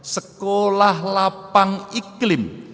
sekolah lapang iklim